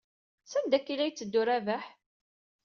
Sanda akka ay la yetteddu Rabaḥ?